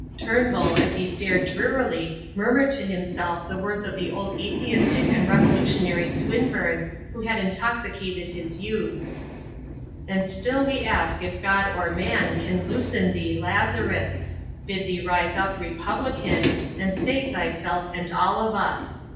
Turnbull, as he stared drearily, murmured to himself the words of the old atheistic and revolutionary Swinburne who had intoxicated his youth: "And still we ask if God or man Can loosen thee Lazarus; Bid thee rise up republican, And save thyself and all of us.